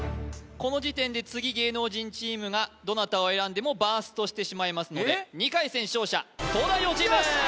この時点で次芸能人チームがどなたを選んでもバーストしてしまいますので２回戦勝者東大王チーム！